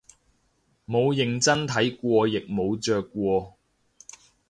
冇認真睇過亦冇着過